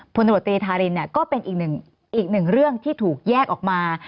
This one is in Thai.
พนธรตรีธารินก็เป็นอีก๑เรื่องที่ถูกแยกออกมา